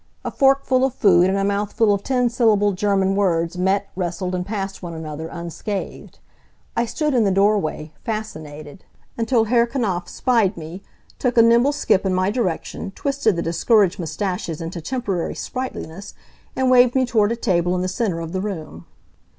A fork full of food and a mouthful of ten syllabled German words met, wrestled, and passed one another, unscathed. I stood in the doorway, fascinated, until Herr Knapf spied me, took a nimble skip in my direction, twisted the discouraged mustaches into temporary sprightliness, and waved me toward a table in the center of the room.